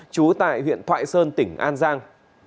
chú tại huyện thoại sơn tỉnh an giang